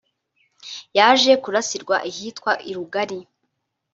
yaje kurasirwa ahitwa i Rugari